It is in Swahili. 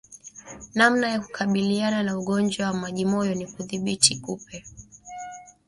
Namna ya kukabiliana na ugonjwa wa majimoyo ni kudhibiti kupe